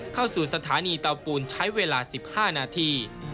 เข้าสู่สถานีเตาปูนใช้เวลา๑๕นาที